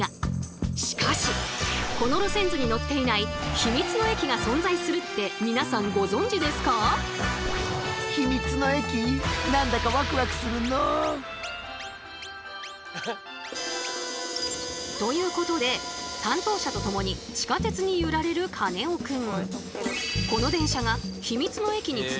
しかしこの路線図に載っていないヒミツの駅が存在するって皆さんご存じですか？ということで担当者と共に地下鉄に揺られるカネオくん。